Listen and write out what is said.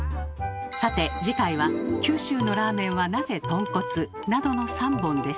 さて次回は「九州のラーメンはなぜとんこつ？」などの３本です。